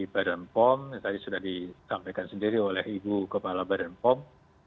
badan pom yang tadi sudah disampaikan sendiri oleh ibu kepala badan pom